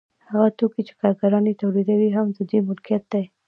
هغه توکي چې کارګران یې تولیدوي هم د دوی ملکیت دی